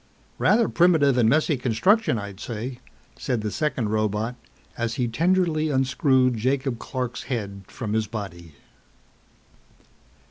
"Rather primitive and messy construction, I'd say," said the second robot as he tenderly unscrewed Jacob Clark's head from his body.